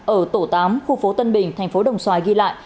ở tổ tám khu phố tân bình tp hcm ghi lại